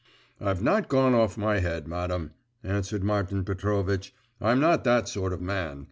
'I've not gone off my head, madam,' answered Martin Petrovitch; 'I'm not that sort of man.